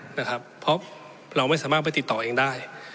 เพราะเราไม่สามารถไปติดต่อเองได้